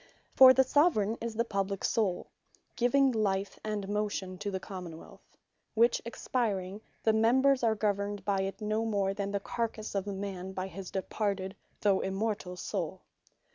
For the Soveraign, is the publique Soule, giving Life and Motion to the Common wealth; which expiring, the Members are governed by it no more, than the Carcasse of a man, by his departed (though Immortal) Soule.